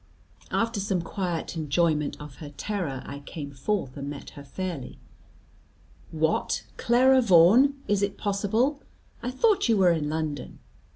After some quiet enjoyment of her terror, I came forth, and met her fairly. "What, Clara Vaughan! Is it possible? I thought you were in London."